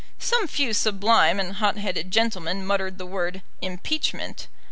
Some few sublime and hot headed gentlemen muttered the word "impeachment."